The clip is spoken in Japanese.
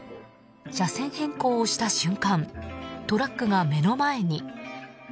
車線変更をした瞬間トラックが目の前に。